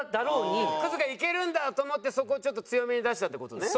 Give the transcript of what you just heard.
クズがいけるんだと思ってそこをちょっと強めに出したって事ね？